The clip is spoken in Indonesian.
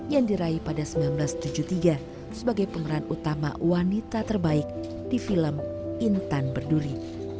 yang diraih pada seribu sembilan ratus tujuh puluh tiga sebagai pengeran utama wanita terbaik di film intan berduri